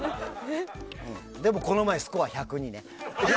でもこの前、スコア１０２ね。